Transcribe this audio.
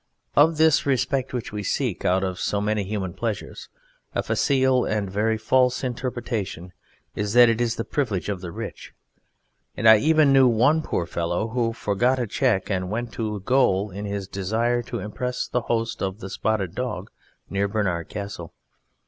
Of this Respect which we seek, out of so many human pleasures, a facile, and a very false, interpretation is that it is the privilege of the rich, and I even knew one poor fellow who forged a cheque and went to gaol in his desire to impress the host of the "Spotted Dog," near Barnard Castle.